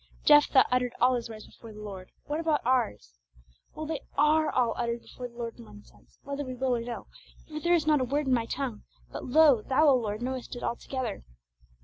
Jephthah uttered all his words before the Lord; what about ours? Well, they are all uttered before the Lord in one sense, whether we will or no; for there is not a word in my tongue, but lo, Thou, O Lord, knowest it altogether!